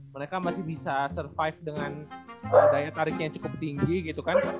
mereka masih bisa survive dengan daya tariknya yang cukup tinggi gitu kan